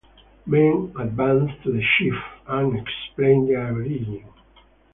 Men advance to the chief and explain their origin.